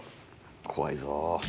怖いぞ。